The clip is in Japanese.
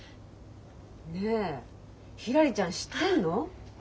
ねえひらりちゃん知ってんの？